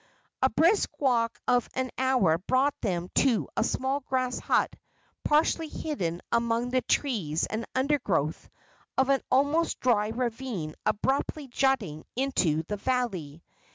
A brisk walk of an hour brought them to a small grass hut partially hidden among the trees and undergrowth of an almost dry ravine abruptly jutting into the valley.